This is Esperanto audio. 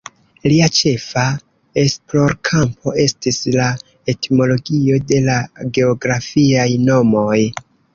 Lia ĉefa esplorkampo estis la etimologio de la geografiaj nomoj.